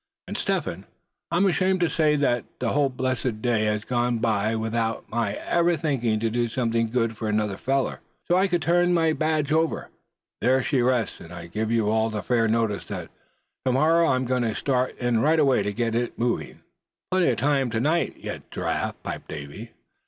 And Step Hen, I'm ashamed to say that the whole blessed day has gone by without my ever thinking to do something good for another feller, so I could turn my badge over. There she rests; and I give you all fair notice that to morrow I'm going to start in right away to get it moving." "Plenty of time to night yet, Giraffe," piped up Davy.